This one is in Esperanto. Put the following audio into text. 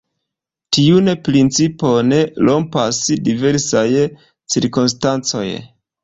Tiun principon rompas diversaj cirkonstancoj.